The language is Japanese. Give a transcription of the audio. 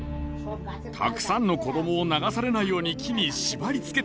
たくさんの子供を流されないように木に縛り付けた。